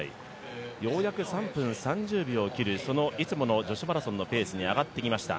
ようやく３分３０秒を切るいつもの女子マラソンのペースに上がってきました。